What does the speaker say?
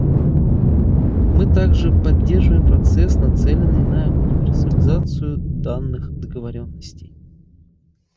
Мы также поддерживаем процесс, нацеленный на универсализацию данных договоренностей.